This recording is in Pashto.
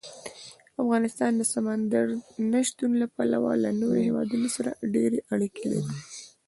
افغانستان د سمندر نه شتون له پلوه له نورو هېوادونو سره ډېرې اړیکې لري.